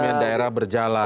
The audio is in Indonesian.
rekonomian daerah berjalan